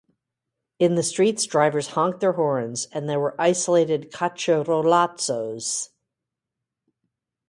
In the streets, drivers honked their horns, and there were isolated cacerolazos.